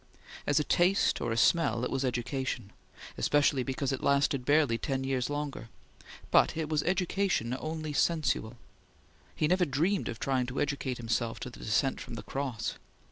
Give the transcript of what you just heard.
As a taste or a smell, it was education, especially because it lasted barely ten years longer; but it was education only sensual. He never dreamed of trying to educate himself to the Descent from the Cross.